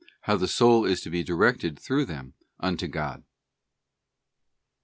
How the soul is to be directed through them unto God.